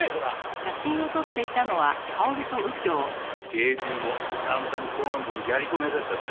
刑事部も散々公安部にやり込められたんだ。